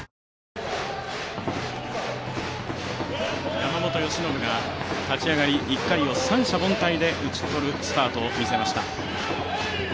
山本由伸が立ち上がり１回を三者凡退で打ち取るスタートを見せました。